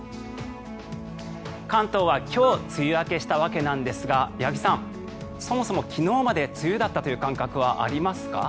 関東は今日梅雨明けしたわけなんですが八木さん、そもそも昨日まで梅雨だったという感覚はありますか？